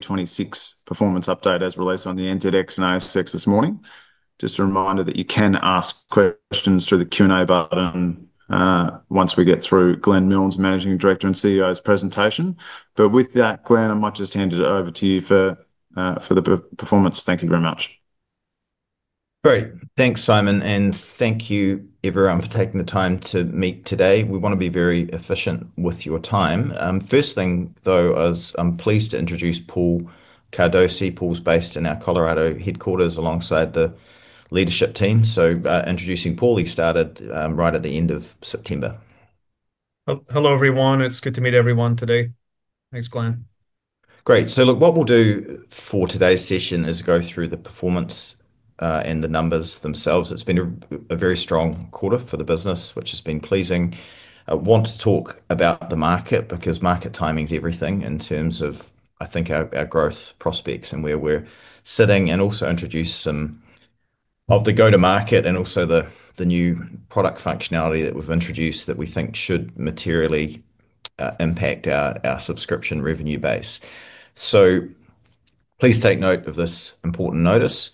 26 performance update as it relates on the NZX and ASX this morning. Just a reminder that you can ask questions through the Q&A button once we get through Glenn Milnes, Managing Director and CEO's presentation. With that, Glenn, I might just hand it over to you for the performance. Thank you very much. Great. Thanks, Simon, and thank you, everyone, for taking the time to meet today. We want to be very efficient with your time. First thing, though, I'm pleased to introduce Paul Cardosi. Paul's based in our Colorado headquarters alongside the leadership team. Introducing Paul, he started right at the end of September. Hello, everyone. It's good to meet everyone today. Thanks, Glenn. Great. What we'll do for today's session is go through the performance and the numbers themselves. It's been a very strong quarter for the business, which has been pleasing. I want to talk about the market because market timing is everything in terms of, I think, our growth prospects and where we're sitting, and also introduce some of the go-to-market and also the new product functionality that we've introduced that we think should materially impact our subscription revenue base. Please take note of this important notice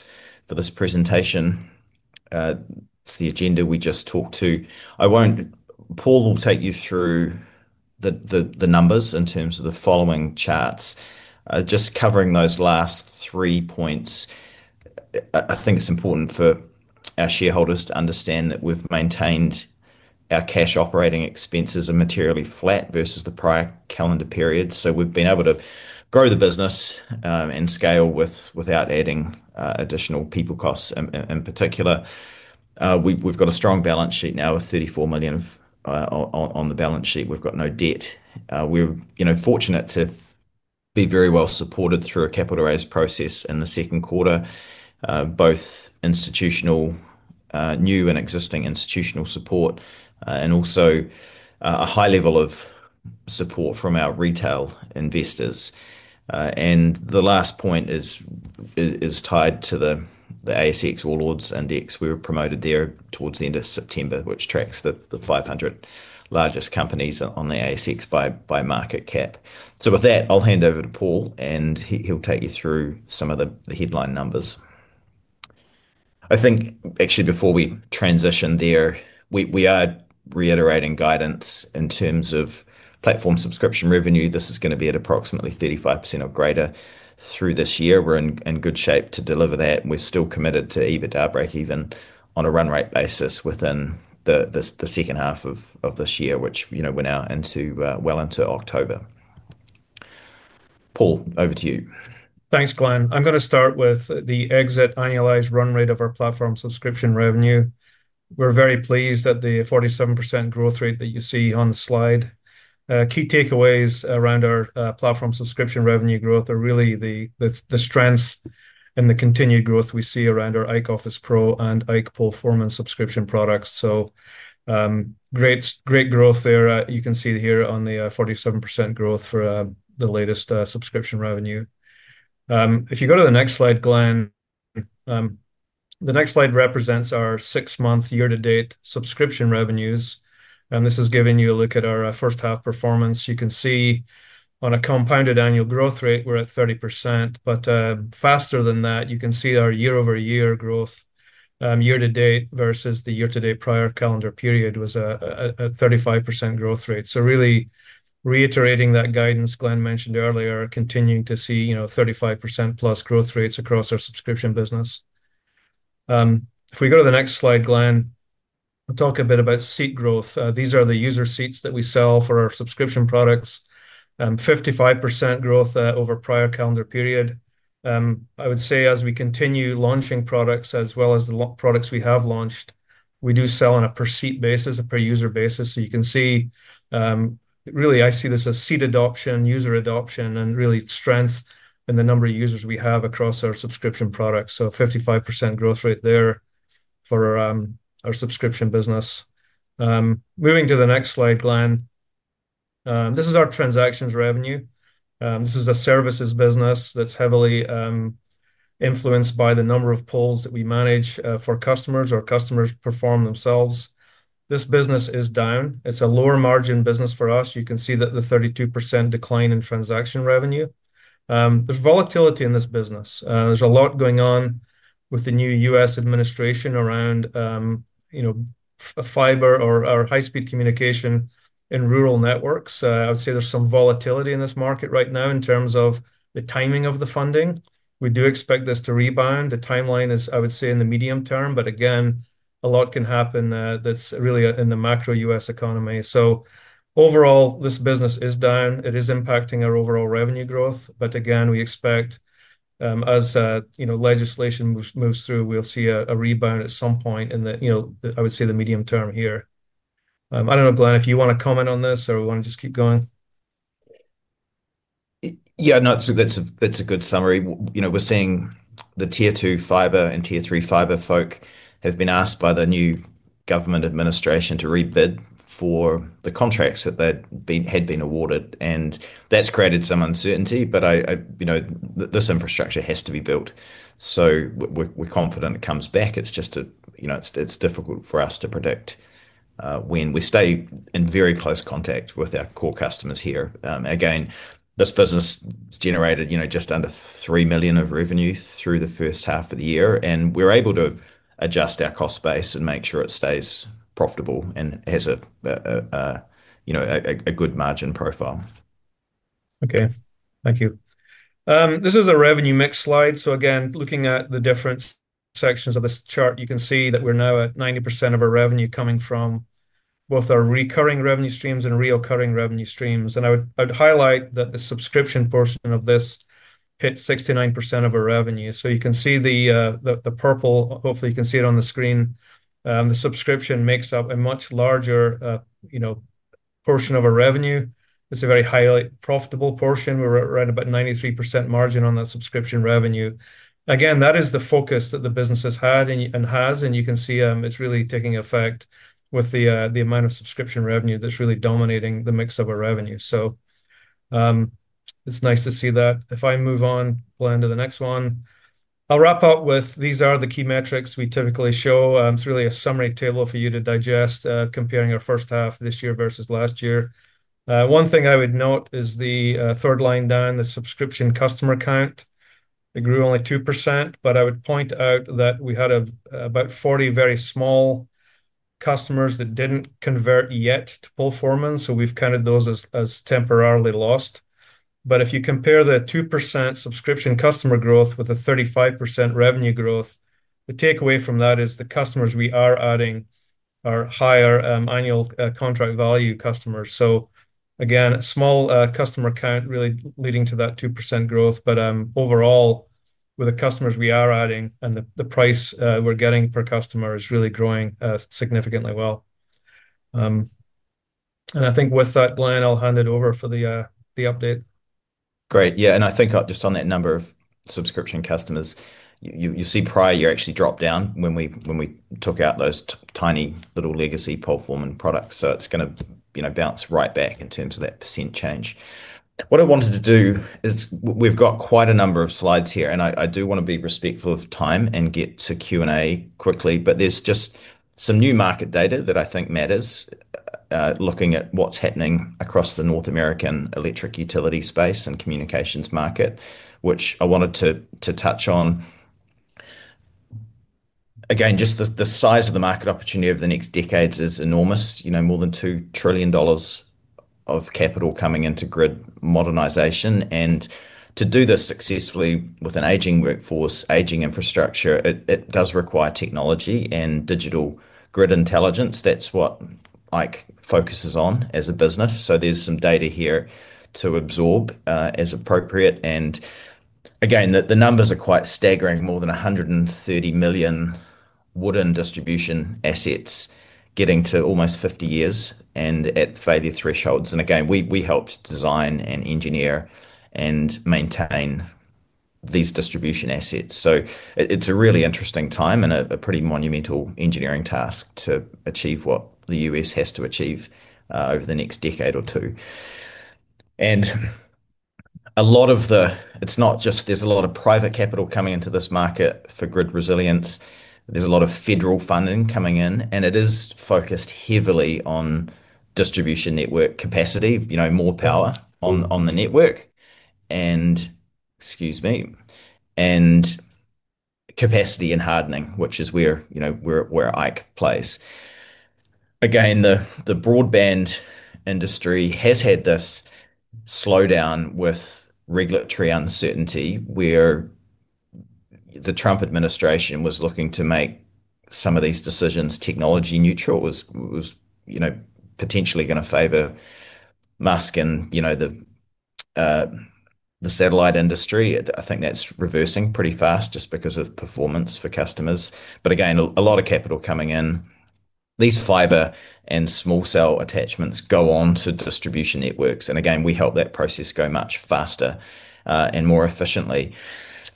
for this presentation. It's the agenda we just talked to. Paul will take you through the numbers in terms of the following charts. Just covering those last three points, I think it's important for our shareholders to understand that we've maintained our cash operating expenses are materially flat versus the prior calendar period. We've been able to grow the business and scale without adding additional people costs. In particular, we've got a strong balance sheet now with 34 million on the balance sheet. We've got no debt. We're fortunate to be very well supported through a capital raise process in the second quarter, both institutional, new and existing institutional support, and also a high level of support from our retail investors. The last point is tied to the ASX All Ordinaries Index. We were promoted there towards the end of September, which tracks the 500 largest companies on the ASX by market cap. With that, I'll hand over to Paul, and he'll take you through some of the headline numbers. I think, actually, before we transition there, we are reiterating guidance in terms of platform subscription revenue. This is going to be at approximately 35% or greater through this year. We're in good shape to deliver that. We're still committed to EBITDA breakeven on a run rate basis within the second half of this year, which, you know, we're now well into October. Paul, over to you. Thanks, Glenn. I'm going to start with the exit annualized run rate of our platform subscription revenue. We're very pleased at the 47% growth rate that you see on the slide. Key takeaways around our platform subscription revenue growth are really the strength and the continued growth we see around our IKE Office Pro and IKE Performance subscription products. Great growth there. You can see here on the 47% growth for the latest subscription revenue. If you go to the next slide, Glenn, the next slide represents our six-month year-to-date subscription revenues. This is giving you a look at our first-half performance. You can see on a compounded annual growth rate, we're at 30%, but faster than that, you can see our year-over-year growth year-to-date versus the year-to-date prior calendar period was a 35% growth rate. This really reiterates that guidance Glenn mentioned earlier, continuing to see 35%+ growth rates across our subscription business. If we go to the next slide, Glenn, I'll talk a bit about seat growth. These are the user seats that we sell for our subscription products. 55% growth over prior calendar period. As we continue launching products as well as the products we have launched, we do sell on a per-seat basis, a per-user basis. You can see, really, I see this as seat adoption, user adoption, and strength in the number of users we have across our subscription products. 55% growth rate there for our subscription business. Moving to the next slide, Glenn, this is our transactions revenue. This is a services business that's heavily influenced by the number of poles that we manage for customers or customers perform themselves. This business is down. It's a lower margin business for us. You can see the 32% decline in transaction revenue. There's volatility in this business. There's a lot going on with the new U.S. administration around fiber or high-speed communication in rural networks. There is some volatility in this market right now in terms of the timing of the funding. We do expect this to rebound. The timeline is, I would say, in the medium term, but a lot can happen that's really in the macro U.S. economy. Overall, this business is down. It is impacting our overall revenue growth. We expect as legislation moves through, we'll see a rebound at some point in the medium term here. I don't know, Glenn, if you want to comment on this or want to just keep going. Yeah, no, that's a good summary. We're seeing the Tier 2 fiber and Tier 3 fiber folk have been asked by the new government administration to rebid for the contracts that they had been awarded, and that's created some uncertainty. This infrastructure has to be built. We're confident it comes back. It's just difficult for us to predict when. We stay in very close contact with our core customers here. This business generated just under 3 million of revenue through the first half of the year, and we're able to adjust our cost base and make sure it stays profitable and has a good margin profile. Okay, thank you. This is a revenue mix slide. Again, looking at the different sections of this chart, you can see that we're now at 90% of our revenue coming from both our recurring revenue streams and reoccurring revenue streams. I would highlight that the subscription portion of this hits 69% of our revenue. You can see the purple, hopefully you can see it on the screen. The subscription makes up a much larger portion of our revenue. It's a very highly profitable portion. We're at around about 93% margin on that subscription revenue. That is the focus that the business has had and has, and you can see it's really taking effect with the amount of subscription revenue that's really dominating the mix of our revenue. It's nice to see that. If I move on, Glenn, to the next one, I'll wrap up with these are the key metrics we typically show. It's really a summary table for you to digest comparing our first half this year versus last year. One thing I would note is the third line down, the subscription customer count. It grew only 2%, but I would point out that we had about 40 very small customers that didn't convert yet to Performance. We've counted those as temporarily lost. If you compare the 2% subscription customer growth with the 35% revenue growth, the takeaway from that is the customers we are adding are higher annual contract value customers. Small customer count really leading to that 2% growth. Overall, with the customers we are adding and the price we're getting per customer is really growing significantly well. I think with that, Glenn, I'll hand it over for the update. Great. Yeah, and I think just on that number of subscription customers, you see prior year actually dropped down when we took out those tiny little legacy Performance products. It's going to, you know, bounce right back in terms of that % change. What I wanted to do is we've got quite a number of slides here, and I do want to be respectful of time and get to Q&A quickly. There's just some new market data that I think matters, looking at what's happening across the North American electric utility space and communications market, which I wanted to touch on. Again, just the size of the market opportunity over the next decades is enormous. You know, more than 2 trillion dollars of capital coming into grid modernization. To do this successfully with an aging workforce, aging infrastructure, it does require technology and digital grid intelligence. That's what ikeGPS focuses on as a business. There's some data here to absorb as appropriate. Again, the numbers are quite staggering, more than 130 million wooden distribution assets getting to almost 50 years and at failure thresholds. We help design and engineer and maintain these distribution assets. It's a really interesting time and a pretty monumental engineering task to achieve what the U.S. has to achieve over the next decade or two. A lot of the, it's not just, there's a lot of private capital coming into this market for grid resilience. There's a lot of federal funding coming in, and it is focused heavily on distribution network capacity, you know, more power on the network, and, excuse me, and capacity and hardening, which is where, you know, where ikeGPS plays. Again, the broadband industry has had this slowdown with regulatory uncertainty where the Trump administration was looking to make some of these decisions technology neutral, was, you know, potentially going to favor Musk and, you know, the satellite industry. I think that's reversing pretty fast just because of performance for customers. Again, a lot of capital coming in. These fiber and small cell attachments go on to distribution networks. We help that process go much faster and more efficiently.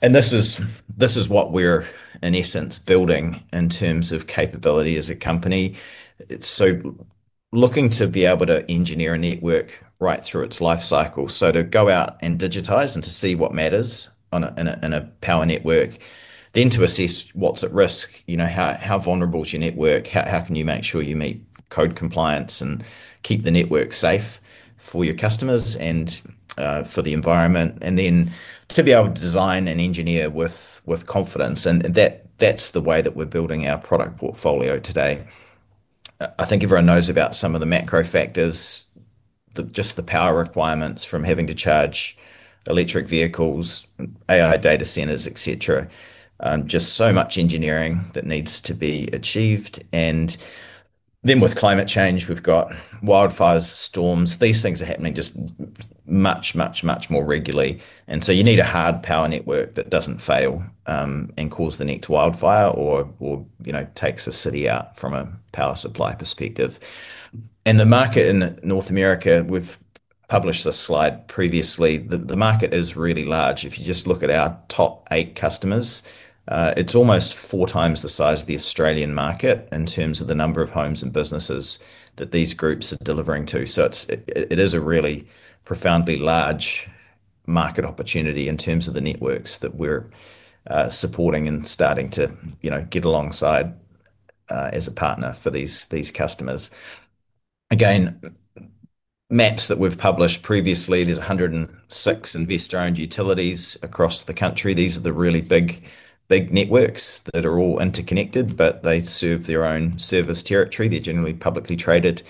This is what we're, in essence, building in terms of capability as a company. It's looking to be able to engineer a network right through its lifecycle. To go out and digitize and to see what matters in a power network, then to assess what's at risk, you know, how vulnerable is your network, how can you make sure you meet code compliance and keep the network safe for your customers and for the environment, and then to be able to design and engineer with confidence. That's the way that we're building our product portfolio today. I think everyone knows about some of the macro factors, just the power requirements from having to charge electric vehicles, AI data centers, et cetera. Just so much engineering that needs to be achieved. With climate change, we've got wildfires, storms. These things are happening just much, much, much more regularly. You need a hard power network that doesn't fail and cause the next wildfire or, you know, takes a city out from a power supply perspective. The market in North America, we've published this slide previously, the market is really large. If you just look at our top eight customers, it's almost four times the size of the Australian market in terms of the number of homes and businesses that these groups are delivering to. It is a really profoundly large market opportunity in terms of the networks that we're supporting and starting to, you know, get alongside as a partner for these customers. Again, maps that we've published previously, there's 106 investor-owned utilities across the country. These are the really big, big networks that are all interconnected, but they serve their own service territory. They're generally publicly traded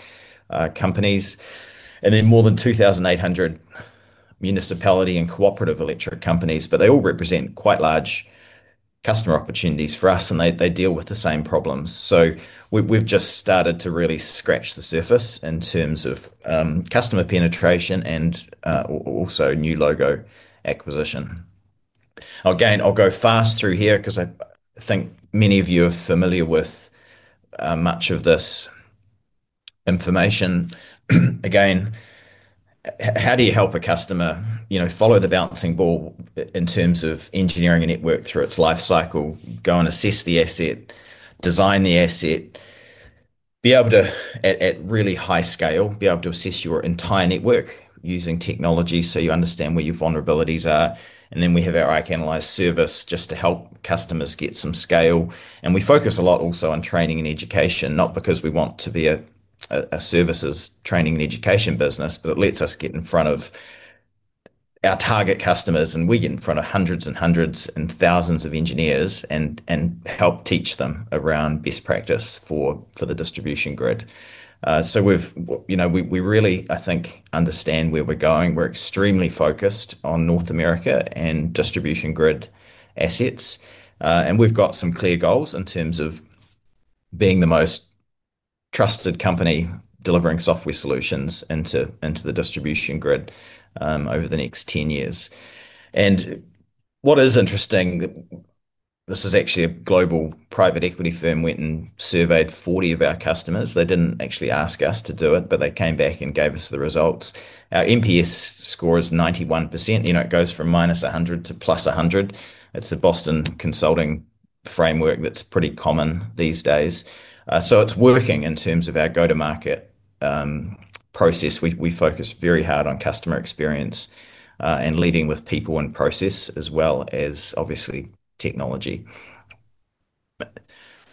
companies. More than 2,800 municipality and cooperative electric companies, but they all represent quite large customer opportunities for us, and they deal with the same problems. We've just started to really scratch the surface in terms of customer penetration and also new logo acquisition. I'll go fast through here because I think many of you are familiar with much of this information. Again, how do you help a customer, you know, follow the bouncing ball in terms of engineering a network through its lifecycle, go and assess the asset, design the asset, be able to, at really high scale, be able to assess your entire network using technology so you understand where your vulnerabilities are. We have our IKE Analyze service just to help customers get some scale. We focus a lot also on training and education, not because we want to be a services training and education business, but it lets us get in front of our target customers, and we get in front of hundreds and hundreds and thousands of engineers and help teach them around best practice for the distribution grid. We really, I think, understand where we're going. We're extremely focused on North America and distribution grid assets. We've got some clear goals in terms of being the most trusted company delivering software solutions into the distribution grid over the next 10 years. What is interesting, this is actually a global private equity firm went and surveyed 40 of our customers. They didn't actually ask us to do it, but they came back and gave us the results. Our NPS score is 91%. It goes from -100 to +100. It's a Boston Consulting framework that's pretty common these days. It's working in terms of our go-to-market process. We focus very hard on customer experience and leading with people and process as well as obviously technology.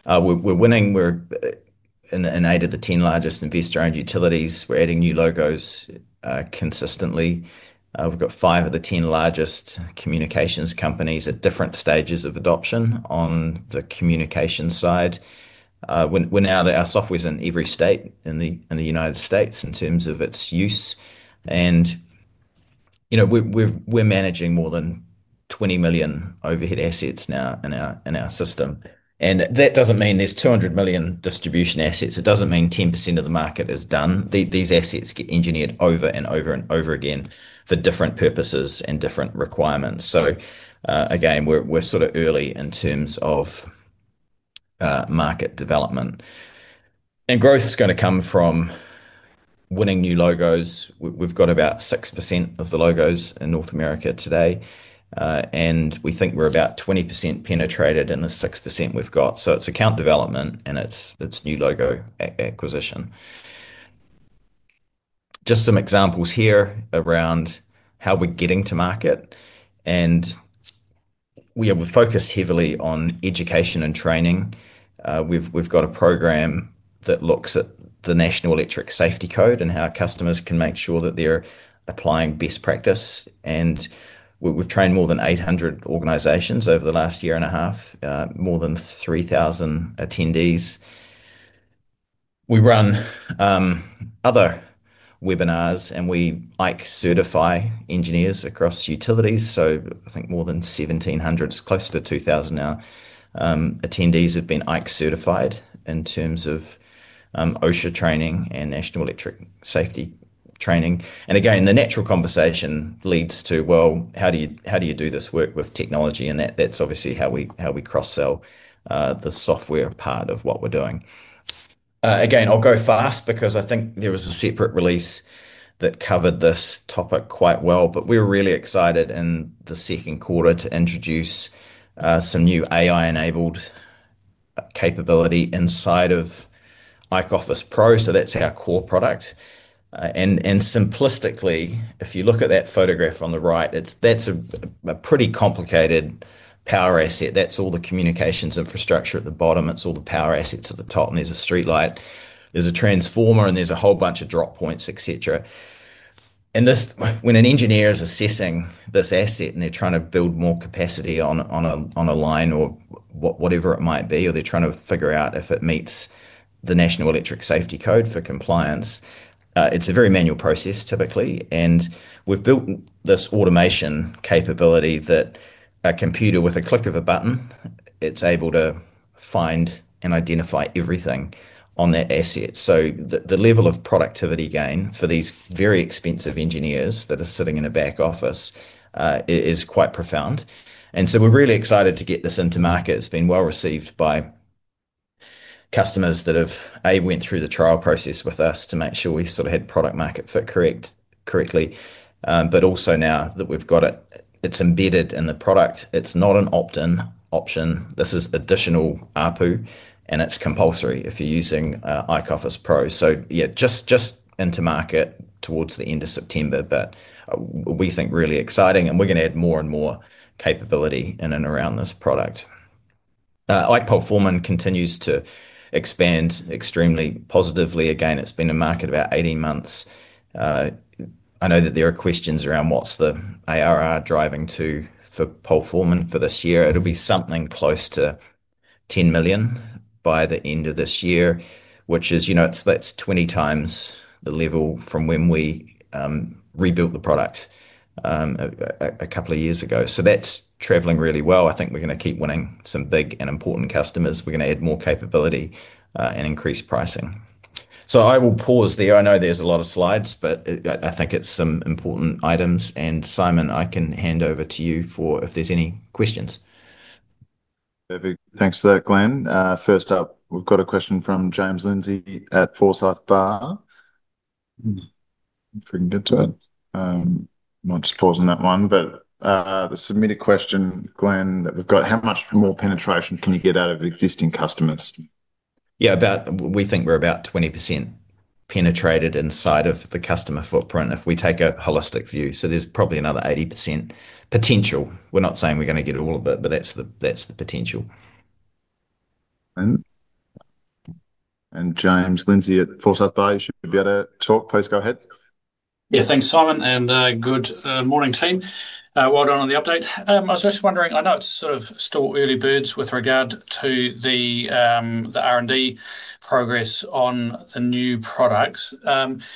We're winning. We're in eight of the 10 largest investor-owned utilities. We're adding new logos consistently. We've got five of the 10 largest communications companies at different stages of adoption on the communication side. Our software's in every state in the U.S. in terms of its use. We're managing more than 20 million overhead assets now in our system. That doesn't mean there's 200 million distribution assets. It doesn't mean 10% of the market is done. These assets get engineered over and over and over again for different purposes and different requirements. We're sort of early in terms of market development. Growth is going to come from winning new logos. We've got about 6% of the logos in North America today. We think we're about 20% penetrated in the 6% we've got. It's account development and it's new logo acquisition. Just some examples here around how we're getting to market. We're focused heavily on education and training. We've got a program that looks at the National Electric Safety Code and how customers can make sure that they're applying best practice. We've trained more than 800 organizations over the last year and a half, more than 3,000 attendees. We run other webinars and we IKE certify engineers across utilities. I think more than 1,700, it's close to 2,000 now, attendees have been IKE certified in terms of OSHA training and National Electric Safety training. The natural conversation leads to, how do you do this work with technology? That's obviously how we cross-sell the software part of what we're doing. I'll go fast because I think there was a separate release that covered this topic quite well, but we're really excited in the second quarter to introduce some new AI-enabled capability inside of IKE Office Pro. That's our core product. Simplistically, if you look at that photograph on the right, that's a pretty complicated power asset. That's all the communications infrastructure at the bottom. It's all the power assets at the top. There's a streetlight, there's a transformer, and there's a whole bunch of drop points, et cetera. When an engineer is assessing this asset and they're trying to build more capacity on a line or whatever it might be, or they're trying to figure out if it meets the National Electric Safety Code for compliance, it's a very manual process typically. We've built this automation capability that a computer, with a click of a button, is able to find and identify everything on that asset. The level of productivity gain for these very expensive engineers that are sitting in a back office is quite profound. We're really excited to get this into market. It's been well received by customers that have, A, went through the trial process with us to make sure we sort of had product market fit correctly. Also, now that we've got it, it's embedded in the product. It's not an opt-in option. This is additional ARPU and it's compulsory if you're using IKE Office Pro. Just into market towards the end of September, but we think really exciting and we're going to add more and more capability in and around this product. IKE Performance continues to expand extremely positively. It's been in market about 18 months. I know that there are questions around what's the ARR driving to for Performance for this year. It'll be something close to 10 million by the end of this year, which is 20 times the level from when we rebuilt the product a couple of years ago. That's traveling really well. I think we're going to keep winning some big and important customers. We're going to add more capability and increase pricing. I will pause there. I know there's a lot of slides, but I think it's some important items. Simon, I can hand over to you if there's any questions. Thanks for that, Glenn. First up, we've got a question from James Lindsay at Forsyth Barr. If we can get to it, I'm not just pausing that one, but the submitted question, Glenn, that we've got, how much more penetration can you get out of existing customers? Yeah, we think we're about 20% penetrated inside of the customer footprint if we take a holistic view. There's probably another 80% potential. We're not saying we're going to get all of it, but that's the potential. James Lindsay at Forsyth Barr, you should be able to talk. Please go ahead. Yeah, thanks Simon, and good morning team. Well done on the update. I was just wondering, I know it's still early days with regard to the R&D progress on the new products.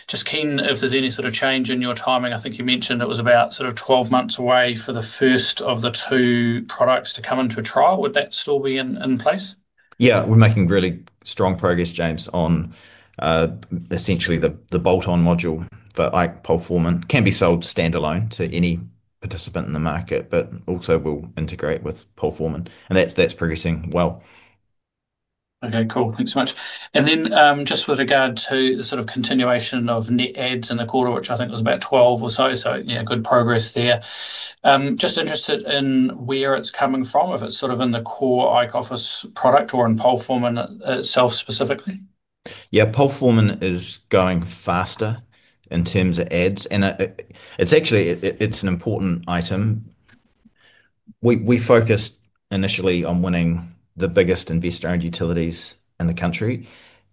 Just keen if there's any change in your timing. I think you mentioned it was about 12 months away for the first of the two products to come into a trial. Would that still be in place? Yeah, we're making really strong progress, James, on essentially the bolt-on module for IKE Performance. It can be sold standalone to any participant in the market, but also will integrate with Performance. That's progressing well. Okay, cool, thanks so much. With regard to the sort of continuation of net adds in the quarter, which I think was about 12 or so, good progress there. Just interested in where it's coming from, if it's sort of in the core IKE Office Pro product or in IKE Performance itself specifically. Yeah, Performance is going faster in terms of adds. It's actually, it's an important item. We focused initially on winning the biggest investor-owned utilities in the country.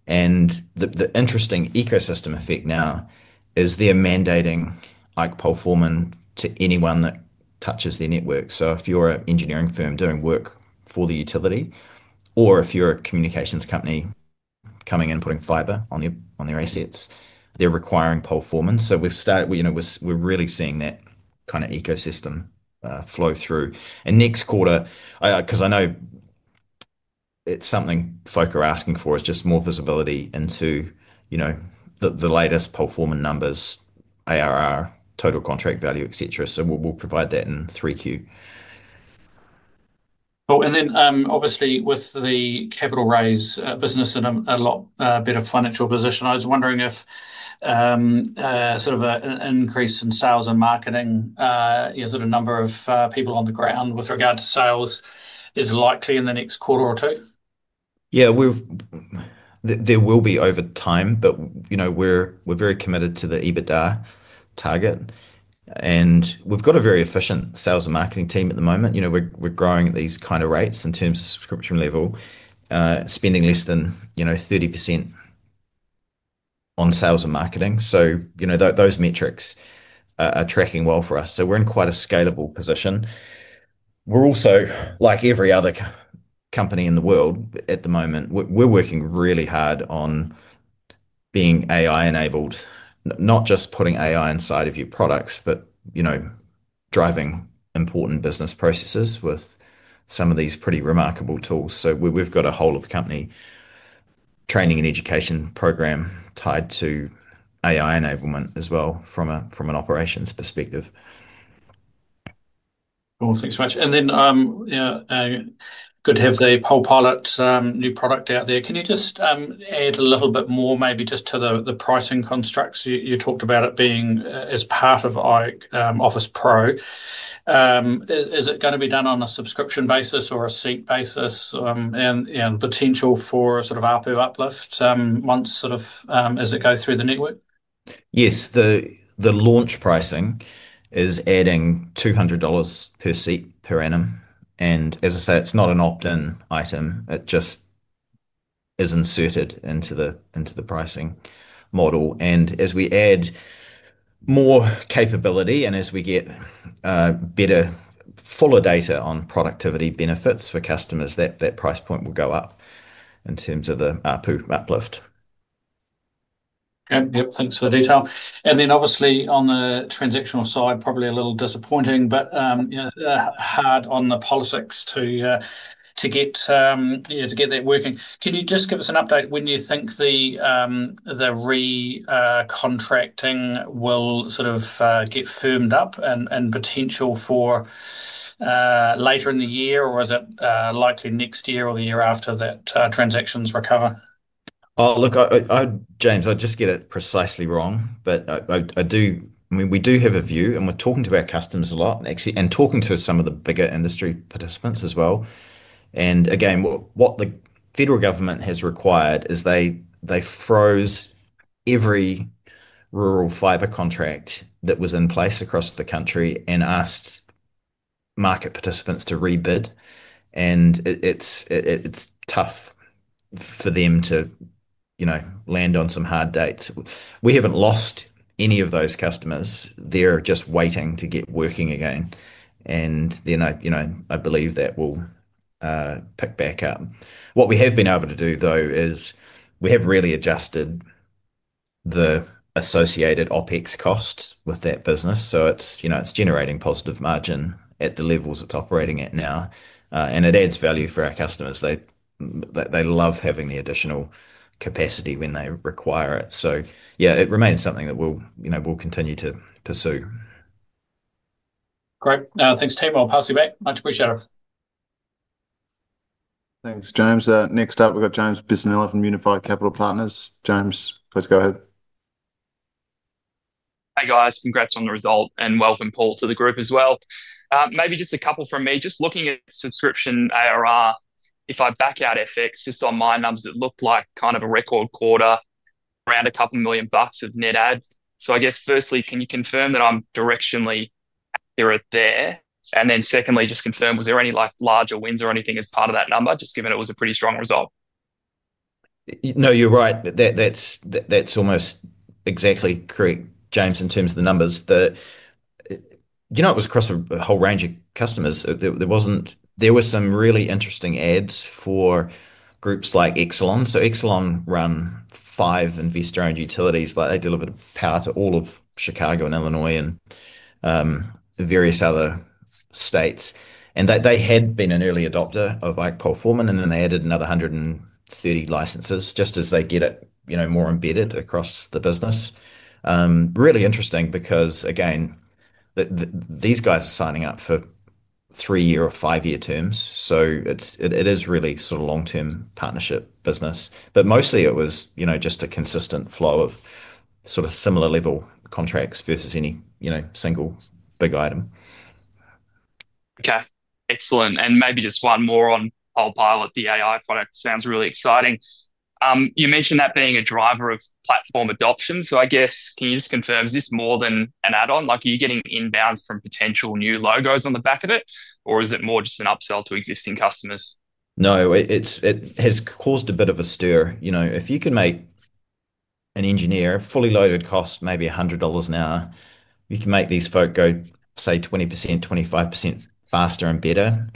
The interesting ecosystem effect now is they're mandating IKE Performance to anyone that touches their network. If you're an engineering firm doing work for the utility, or if you're a communications company coming in and putting fiber on their assets, they're requiring Performance. We're really seeing that kind of ecosystem flow through. Next quarter, because I know it's something folk are asking for, is just more visibility into, you know, the latest Performance numbers, ARR, total contract value, etc. We'll provide that in 3Q. Oh, obviously with the capital raise, business in a lot better financial position, I was wondering if sort of an increase in sales and marketing, you know, sort of number of people on the ground with regard to sales is likely in the next quarter or two. Yeah, there will be over time, but we're very committed to the EBITDA target. We've got a very efficient sales and marketing team at the moment. We're growing at these kind of rates in terms of subscription level, spending less than 30% on sales and marketing. Those metrics are tracking well for us. We're in quite a scalable position. We're also, like every other company in the world at the moment, working really hard on being AI-enabled, not just putting AI inside of your products, but driving important business processes with some of these pretty remarkable tools. We've got a whole of company training and education program tied to AI enablement as well from an operations perspective. Cool, thanks so much. Yeah, good to have the PolePilot new product out there. Can you just add a little bit more maybe just to the pricing constructs? You talked about it being as part of IKE Office Pro. Is it going to be done on a subscription basis or a seat basis and potential for sort of ARPU uplift once sort of as it goes through the network? Yes, the launch pricing is adding 200 dollars per seat per annum. It is not an opt-in item. It just is inserted into the pricing model. As we add more capability and as we get better, fuller data on productivity benefits for customers, that price point will go up in terms of the ARPU uplift. Yep, thanks for the detail. Obviously, on the transactional side, probably a little disappointing, but you know, hard on the politics to get that working. Can you just give us an update when you think the re-contracting will sort of get firmed up and potential for later in the year, or is it likely next year or the year after that transactions recover? James, I'd just get it precisely wrong, but I do, I mean, we do have a view and we're talking to our customers a lot and actually talking to some of the bigger industry participants as well. Again, what the federal government has required is they froze every rural fiber contract that was in place across the country and asked market participants to rebid. It's tough for them to, you know, land on some hard dates. We haven't lost any of those customers. They're just waiting to get working again. I believe that will pick back up. What we have been able to do, though, is we have really adjusted the associated OpEx cost with that business. It's generating positive margin at the levels it's operating at now. It adds value for our customers. They love having the additional capacity when they require it. It remains something that we'll, you know, we'll continue to pursue. Great. Thanks, team. I'll pass you back. Much appreciated. Thanks, James. Next up, we've got James Bisinella from Unified Capital Partners. James, please go ahead. Hi guys, congrats on the result and welcome Paul to the group as well. Maybe just a couple from me, just looking at subscription ARR. If I back out FX, just on my numbers, it looked like kind of a record quarter, around a couple million bucks of net add. I guess firstly, can you confirm that I'm directionally accurate there? Secondly, just confirm, was there any like larger wins or anything as part of that number, just given it was a pretty strong result? No, you're right. That's almost exactly correct, James, in terms of the numbers. It was across a whole range of customers. There were some really interesting adds for groups like Exelon. Exelon runs five investor-owned utilities. They deliver power to all of Chicago and Illinois and various other states. They had been an early adopter of IKE Performance and then they added another 130 licenses as they get it more embedded across the business. Really interesting because, again, these guys are signing up for three-year or five-year terms. It is really sort of long-term partnership business. Mostly it was just a consistent flow of sort of similar level contracts versus any single big item. Okay, excellent. Maybe just one more on PolePilot, the AI product. Sounds really exciting. You mentioned that being a driver of platform adoption. I guess, can you just confirm, is this more than an add-on? Are you getting inbounds from potential new logos on the back of it, or is it more just an upsell to existing customers? No, it has caused a bit of a stir. You know, if you can make an engineer fully loaded cost maybe 100 dollars an hour, you can make these folk go, say, 20%, 25% faster and better.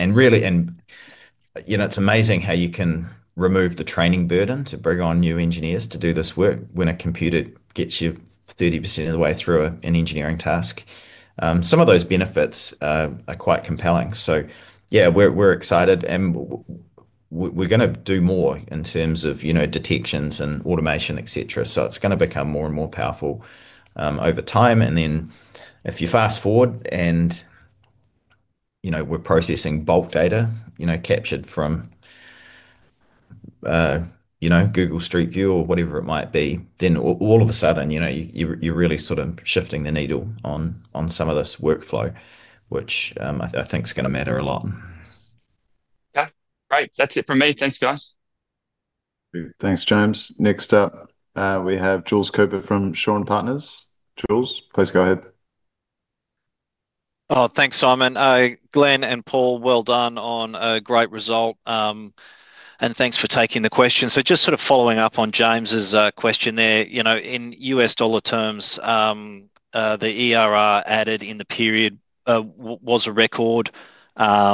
It's amazing how you can remove the training burden to bring on new engineers to do this work when a computer gets you 30% of the way through an engineering task. Some of those benefits are quite compelling. Yeah, we're excited and we're going to do more in terms of detections and automation, et cetera. It's going to become more and more powerful over time. If you fast forward and we're processing bulk data, captured from Google Street View or whatever it might be, then all of a sudden, you're really sort of shifting the needle on some of this workflow, which I think is going to matter a lot. Okay, great. That's it from me. Thanks, guys. Thanks, James. Next up, we have Jules Cooper from Shaw and Partners. Jules, please go ahead. Thanks, Simon. Glenn and Paul, well done on a great result, and thanks for taking the question. Just following up on James's question there, in U.S. dollar terms, the ARR added in the period was a record. I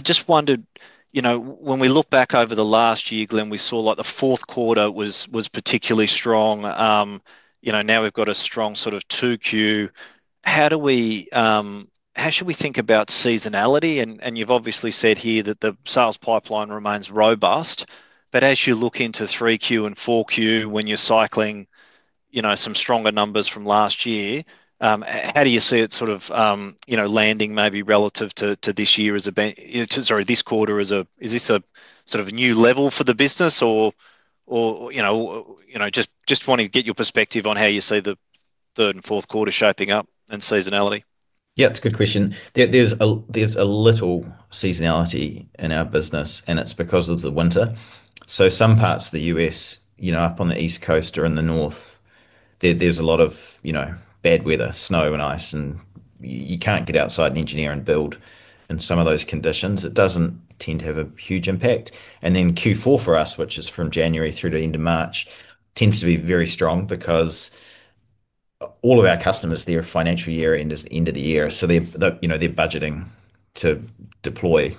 just wondered, when we look back over the last year, Glenn, we saw the fourth quarter was particularly strong. Now we've got a strong 2Q. How should we think about seasonality? You've obviously said here that the sales pipeline remains robust. As you look into 3Q and 4Q, when you're cycling some stronger numbers from last year, how do you see it landing maybe relative to this year? Is this a new level for the business, or just wanting to get your perspective on how you see the third and fourth quarter shaping up and seasonality? Yeah, it's a good question. There's a little seasonality in our business and it's because of the winter. Some parts of the U.S., up on the East Coast or in the North, there's a lot of bad weather, snow and ice, and you can't get outside and engineer and build in some of those conditions. It doesn't tend to have a huge impact. Q4 for us, which is from January through to the end of March, tends to be very strong because all of our customers, their financial year end is the end of the year. They're budgeting to deploy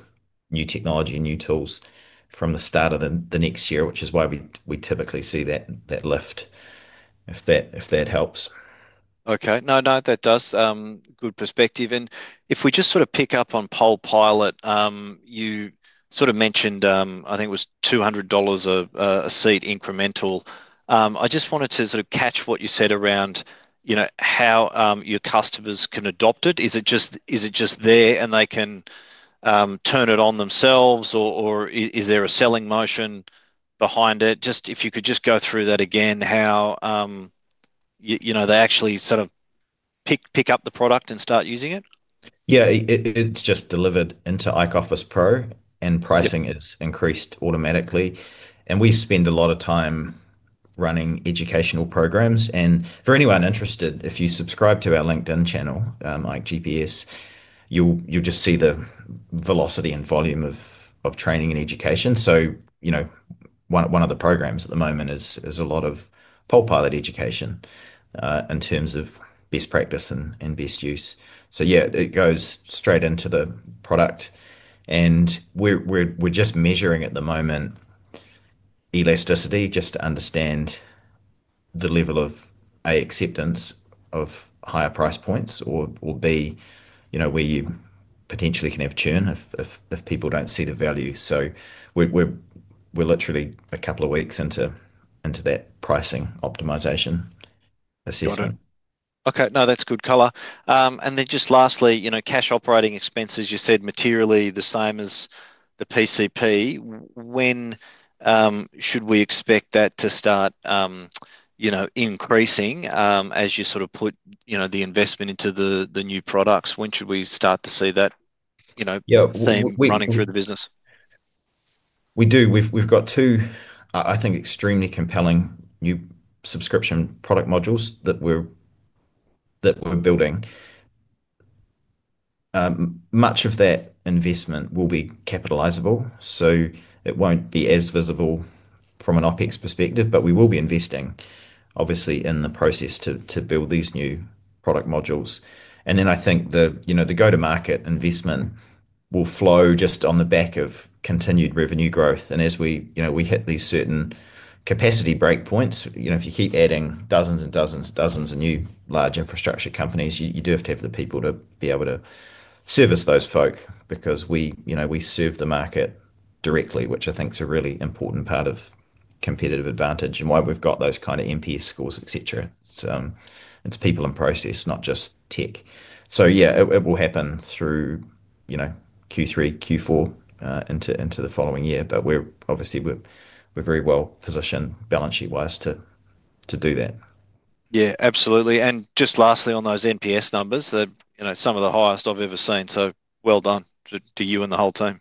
new technology and new tools from the start of the next year, which is why we typically see that lift, if that helps. Okay, no, that does. Good perspective. If we just sort of pick up on PolePilot, you mentioned, I think it was 200 dollars a seat incremental. I just wanted to catch what you said around how your customers can adopt it. Is it just there and they can turn it on themselves, or is there a selling motion behind it? If you could just go through that again, how they actually sort of pick up the product and start using it? Yeah, it's just delivered into IKE Office Pro, and pricing is increased automatically. We spend a lot of time running educational programs. For anyone interested, if you subscribe to our LinkedIn channel, ikeGPS, you'll just see the velocity and volume of training and education. One of the programs at the moment is a lot of PolePilot education in terms of best practice and best use. It goes straight into the product. We're just measuring at the moment elasticity just to understand the level of A, acceptance of higher price points, or B, where you potentially can have churn if people don't see the value. We're literally a couple of weeks into that pricing optimization assessment. Okay, no, that's good color. Lastly, you know, cash operating expenses, you said materially the same as the PCP. When should we expect that to start increasing as you sort of put the investment into the new products? When should we start to see that running through the business? We do. We've got two, I think, extremely compelling new subscription product modules that we're building. Much of that investment will be capitalizable. It won't be as visible from an OpEx perspective, but we will be investing, obviously, in the process to build these new product modules. I think the go-to-market investment will flow just on the back of continued revenue growth. As we hit these certain capacity breakpoints, if you keep adding dozens and dozens and dozens of new large infrastructure companies, you do have to have the people to be able to service those folk because we serve the market directly, which I think is a really important part of competitive advantage and why we've got those kind of NPS scores, etc. It's people and process, not just tech. It will happen through Q3, Q4 into the following year. We're obviously very well positioned balance sheet-wise to do that. Absolutely. Lastly, on those NPS numbers, you know, some of the highest I've ever seen. Well done to you and the whole team.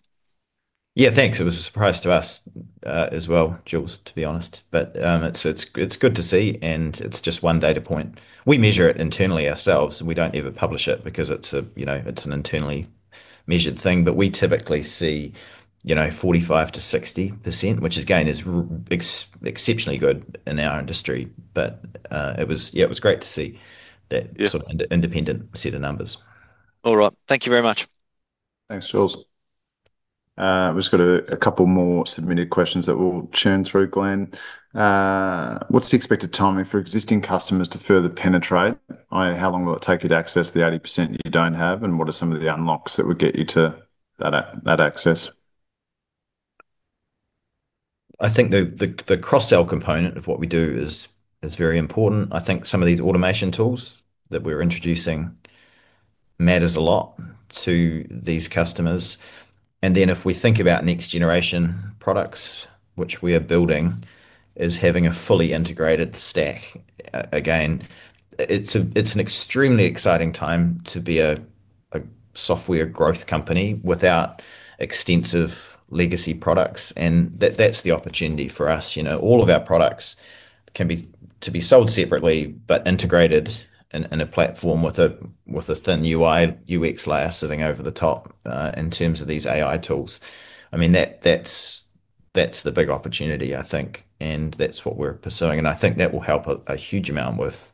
Yeah, thanks. It was a surprise to us as well, Jules, to be honest. It's good to see. It's just one data point. We measure it internally ourselves, and we don't ever publish it because it's an internally measured thing. We typically see 45%-60%, which again is exceptionally good in our industry. It was great to see that sort of independent set of numbers. All right, thank you very much. Thanks, Jules. We've just got a couple more submitted questions that we'll churn through, Glenn. What's the expected timing for existing customers to further penetrate? How long will it take you to access the 80% you don't have? What are some of the unlocks that would get you to that access? I think the cross-sell component of what we do is very important. I think some of these automation tools that we're introducing matter a lot to these customers. If we think about next generation products, which we are building, it is having a fully integrated stack. Again, it's an extremely exciting time to be a software growth company without extensive legacy products. That's the opportunity for us. All of our products can be sold separately but integrated in a platform with a thin UI/UX layer sitting over the top in terms of these AI tools. That's the big opportunity, I think. That's what we're pursuing. I think that will help a huge amount with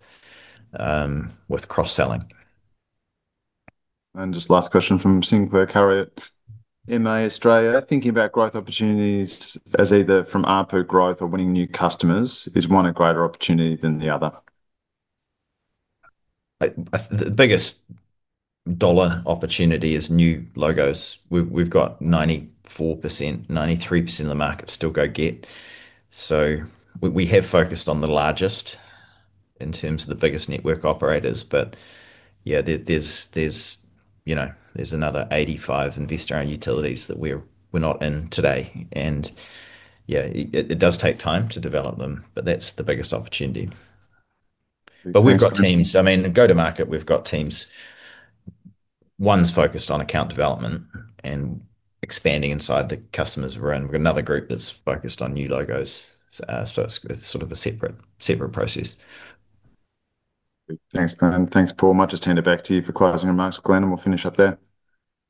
cross-selling. Just last question from Sinclair Curry at MA Australia. Thinking about growth opportunities as either from ARPU growth or winning new customers, is one a greater opportunity than the other? The biggest dollar opportunity is new logos. We've got 94%, 93% of the market still to get. We have focused on the largest in terms of the biggest network operators. There's another 85 investor-owned utilities that we're not in today. It does take time to develop them, but that's the biggest opportunity. We've got teams. Go to market, we've got teams. One's focused on account development and expanding inside the customers we're in. We've got another group that's focused on new logos. It's sort of a separate process. Thanks, Glenn. Thanks, Paul. I might just hand it back to you for closing remarks, Glenn, and we'll finish up there.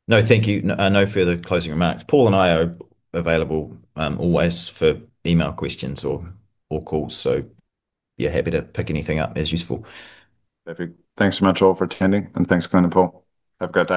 No, thank you. No further closing remarks. Paul and I are available always for email questions or calls. You're happy to pick anything up as useful. Perfect. Thanks so much all for attending. Thanks, Glenn and Paul. Have a great day.